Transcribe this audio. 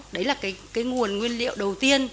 đấy là cái nguồn nguyên liệu đầu tiên